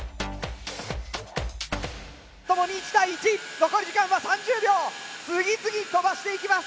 共に１対１残り時間は３０秒次々飛ばしていきます。